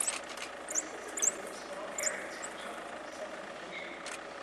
This is a group of small parrots from tropical southern Asia.